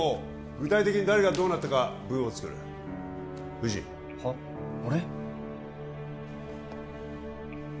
具体的に誰がどうなったか文を作る藤井はっ俺？